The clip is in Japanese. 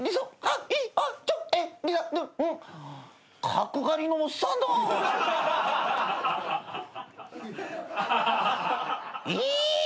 角刈りのおっさんだ。え！？